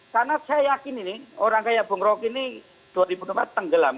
karena saya yakin ini orang kayak bung roky ini dua ribu dua puluh empat tenggelam